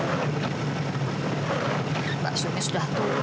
kalau mbak sumi sedang di rumah sendirian